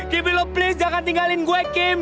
kimi lo please jangan tinggalin gue kim